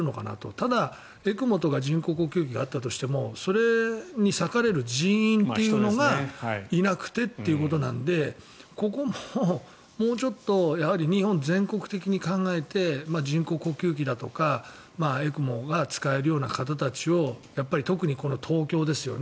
ただ、ＥＣＭＯとか人工呼吸器があったとしてもそれに割かれる人員というのがいなくてということなのでここももうちょっと全国的に考えて人工呼吸器とかＥＣＭＯが使えるような方たちを特に東京ですよね。